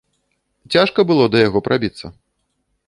Цяжка было да яго прабіцца?